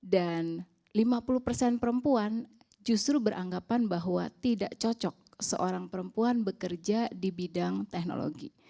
dan lima puluh perempuan justru beranggapan bahwa tidak cocok seorang perempuan bekerja di bidang teknologi